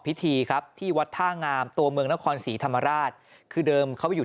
พิธีครับที่วัดท่างามตัวเมืองนครศรีธรรมราชคือเดิมเขาไปอยู่